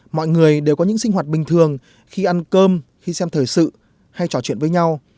mọi người đều có những sinh hoạt bình thường khi ăn cơm khi xem thời sự hay trò chuyện với nhau